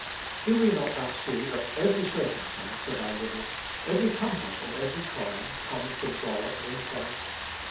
Do we not thus see that every cir cumstance of our living, every comfort and every trial, comes from God in Christ?